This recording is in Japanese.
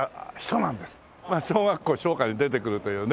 まあ小学校唱歌に出てくるというね。